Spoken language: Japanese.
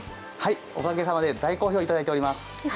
おかげさまで大好評をいただいています。